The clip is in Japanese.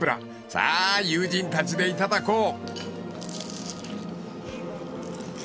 さあ友人たちでいただこう］